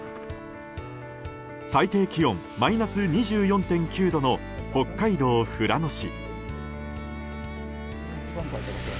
最低気温マイナス２４．９度の北海道富良野市。